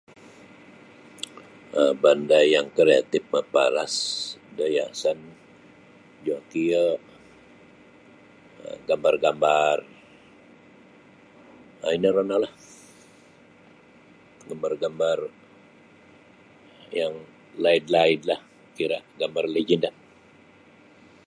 um Banda yang kreatif maparas da hiasan joki yo um gambar-gambar um ino ro no lah gambar-gambar yang laid-laidlah kira gambar legenda.